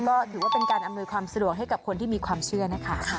ก็ถือว่าเป็นการอำนวยความสะดวกให้กับคนที่มีความเชื่อนะคะ